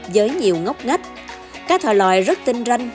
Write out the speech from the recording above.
với nhiều ngóc ngách cá thòi lòi rất tinh ranh